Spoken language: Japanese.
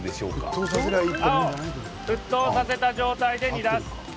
青・沸騰させた状態で煮出す。